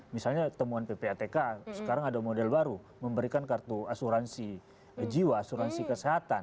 misalnya temuan ppatk sekarang ada model baru memberikan kartu asuransi jiwa asuransi kesehatan